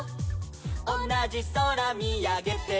「おなじそらみあげてるから」